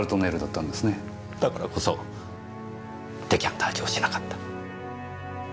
だからこそデカンタージュをしなかった。